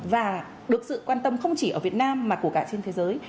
và được sự quan tâm không chỉ ở việt nam mà của cả trên thế giới